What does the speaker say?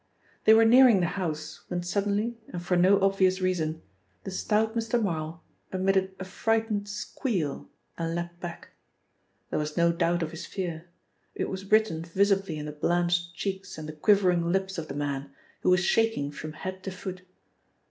They were nearing the house when suddenly and for no obvious reason the stout Mr. Marl emitted a frightened squeal and leapt back. There was no doubt of his fear. It was written visibly in the blanched cheeks and the quivering lips of the man, who was shaking from head to foot.